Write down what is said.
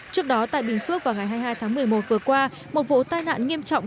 trước đó tại bình phước vào ngày hai mươi hai tháng một mươi một vừa qua một vụ tai nạn nghiêm trọng